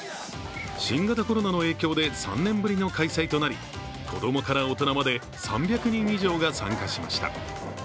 新型コロナの影響で３年ぶりの開催となり、子供から大人まで３００人以上が参加しました。